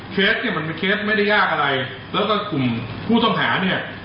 เนี่ยมันเป็นเคสไม่ได้ยากอะไรแล้วก็กลุ่มผู้ต้องหาเนี่ย